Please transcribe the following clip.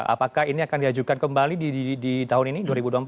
apakah ini akan diajukan kembali di tahun ini dua ribu dua puluh empat